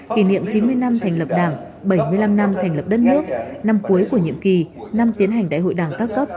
kỷ niệm chín mươi năm thành lập đảng bảy mươi năm năm thành lập đất nước năm cuối của nhiệm kỳ năm tiến hành đại hội đảng các cấp